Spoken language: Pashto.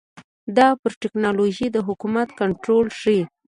دا پر ټکنالوژۍ د حکومت کنټرول ښيي.